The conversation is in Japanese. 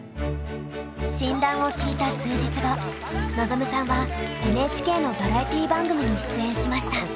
診断を聞いた数日後望さんはＮＨＫのバラエティー番組に出演しました。